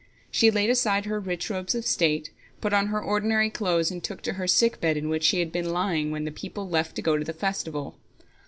She laid aside her rich robes of state, put on her ordinary clothes, and took to her sick bed, in which she had been lying when the people left to go to the festival.